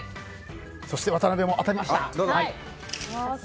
そして渡辺も当たりました。